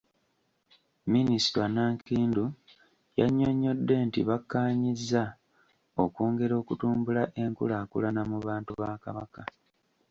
Minisita Nankindu yannyonyodde nti bakkaanyizza okwongera okutumbula enkulaakulana mu bantu ba Kabaka.